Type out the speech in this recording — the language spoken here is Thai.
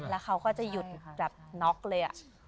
แล้วเขาก็จะหยุดแบบน็อกเลย